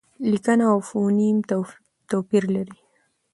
لیکنه او فونېم توپیر لري.